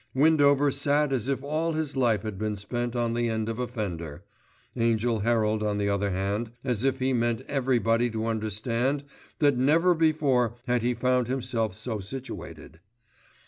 Windover sat as if all his life had been spent on the end of a fender, Angell Herald, on the other hand, as if he meant everybody to understand that never before had he found himself so situated.